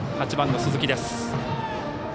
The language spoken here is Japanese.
８番の鈴木です。